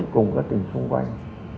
cùng các tỉnh xung quanh